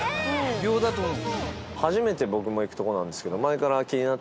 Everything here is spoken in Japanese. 秒だと思う。